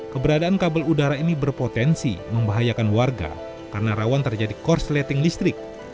keberadaan kabel udara ini berpotensi membahayakan warga karena rawan terjadi korsleting listrik